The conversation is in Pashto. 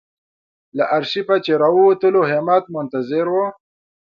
له آرشیفه چې راووتلو همت منتظر و.